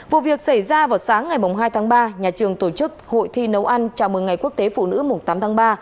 vụ việc xảy ra vào sáng ngày hai tháng ba nhà trường tổ chức hội thi nấu ăn chào mừng ngày quốc tế phụ nữ tám tháng ba